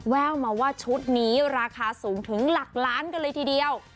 แววมาว่าชุดนี้ราคาสูงถึงหลักล้านกันเลยทีเดียว